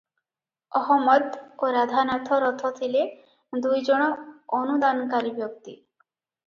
ଅହମଦ ଓ ରାଧାନାଥ ରଥ ଥିଲେ ଦୁଇଜଣ ଅନୁଦାନକାରୀ ବ୍ୟକ୍ତି ।